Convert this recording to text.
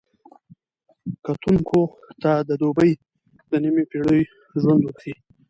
کتونکو ته د دوبۍ د نیمې پېړۍ ژوند ورښيي.